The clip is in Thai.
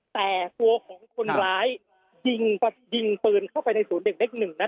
แต่ตัวของคนร้ายยิงปืนเข้าไปในศูนย์เด็กเล็กหนึ่งนะ